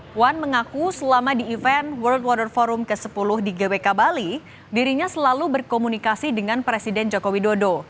puan mengaku selama di event world water forum ke sepuluh di gbk bali dirinya selalu berkomunikasi dengan presiden joko widodo